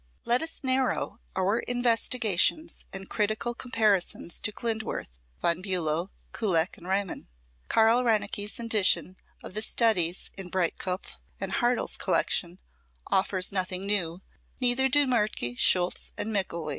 Let us narrow our investigations and critical comparisons to Klindworth, Von Bulow, Kullak and Riemann. Carl Reinecke's edition of the studies in Breitkopf & Hartel's collection offers nothing new, neither do Mertke, Scholtz and Mikuli.